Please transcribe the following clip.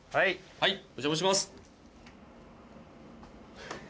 はいお邪魔します。